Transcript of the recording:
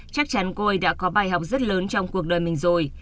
chắc chắn cô ấy đã có bài học rất lớn trong cuộc đời mình rồi